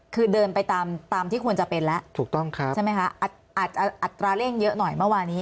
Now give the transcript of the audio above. คือเดินไปตามที่ควรจะเป็นแล้วใช่ไหมคะอัดตราเร่งเยอะหน่อยเมื่อวานี้